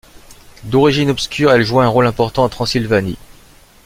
D'origine obscure, elle joua un rôle important en Transylvanie.